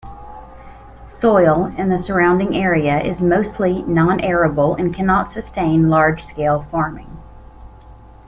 Soil in the surrounding area is mostly non-arable and cannot sustain large scale farming.